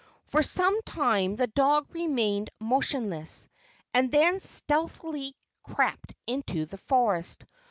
For some time the dog remained motionless, and then stealthily crept into the forest.